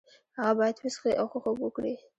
هغه باید وڅښي او ښه خوب وکړي.